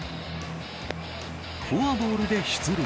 フォアボールで出塁。